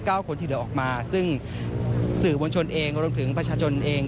คนที่เหลือออกมาซึ่งสื่อมวลชนเองรวมถึงประชาชนเอง